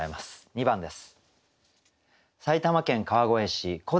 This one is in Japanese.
２番です。